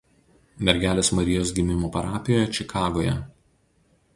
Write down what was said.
Mergelės Marijos Gimimo parapijoje Čikagoje.